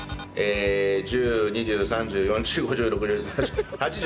１０２０３０４０５０６０７０８０。